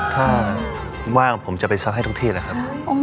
ถ้าว่างผมจะไปซักให้ทุกที่แหละครับ